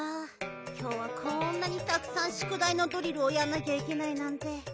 きょうはこんなにたくさんしゅくだいのドリルをやんなきゃいけないなんて。